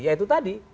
ya itu tadi